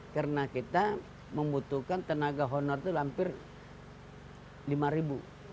karena kita membutuhkan tenaga honor itu hampir lima ribu